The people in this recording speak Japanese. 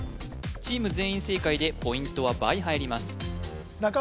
チーム全員正解でポイントは倍入ります